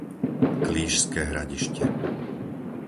Klížske Hradište